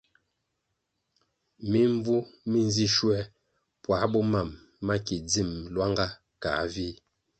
Mimbvu mi nzi schuer puáh bo mam ma ki dzim luanga kăh vih.